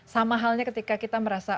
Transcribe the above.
sama halnya ketika kita merasa